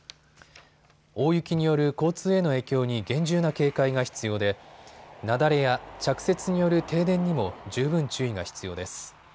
大雪による交通への影響に厳重な警戒が必要で雪崩や着雪による停電にも十分注意が必要です。